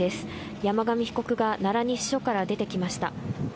山上被告が奈良西署から出てきました。